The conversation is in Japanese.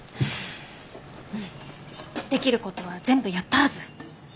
うんできることは全部やったはず。